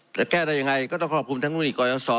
จะแก้ได้ยังไงก็ต้องขอบคุณทั้งรุ่นอีกกรยศ